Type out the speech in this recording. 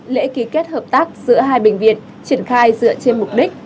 lễ ký kết hợp tác giữa hai bệnh viện triển khai dựa trên mục đích